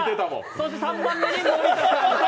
そして３番目に森田さん。